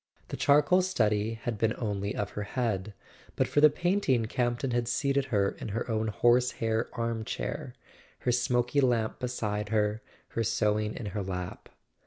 The charcoal study had been only of her head; but for the painting Campton had seated her in her own horsehair arm chair, her smoky lamp beside her, her sewing in her lap.